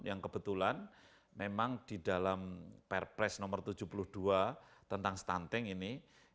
yang kebetulan memang di dalam perpres nomor tujuh puluh dua tentang stunting ini